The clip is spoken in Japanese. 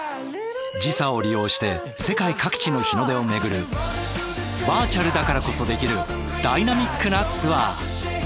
時差を利用して世界各地の日の出を巡るバーチャルだからこそできるダイナミックなツアー。